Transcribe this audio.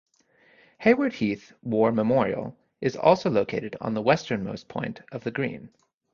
Haywards Heath war memorial is also located on the westernmost point of the green.